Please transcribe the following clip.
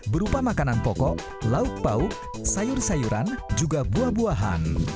berupa makanan pokok lauk pauk sayur sayuran juga buah buahan